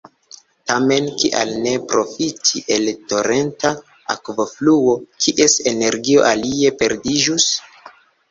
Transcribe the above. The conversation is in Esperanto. Tamen kial ne profiti el torenta akvofluo kies energio alie perdiĝus?